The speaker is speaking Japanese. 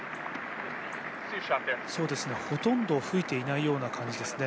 ほとんど吹いていないような感じですね。